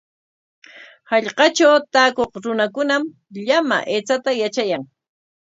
Hallqakunatraw taakuq runakunam llama aychata yatrayan.